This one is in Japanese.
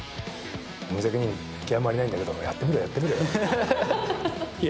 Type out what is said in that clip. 無責任極まりないんだけど、やってみろよ、やってみろよって。